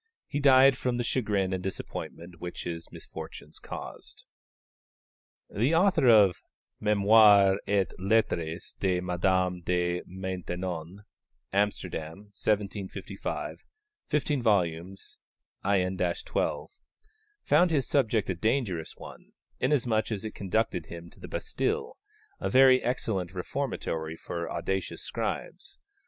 He died from the chagrin and disappointment which his misfortunes caused. The author of Mémoires et Lettres de Madame de Maintenon (Amsterdam, 1755, 15 vols., in 12) found his subject a dangerous one, inasmuch as it conducted him to the Bastille, a very excellent reformatory for audacious scribes.